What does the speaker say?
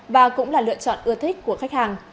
và cũng là lựa chọn ưa thích của khách hàng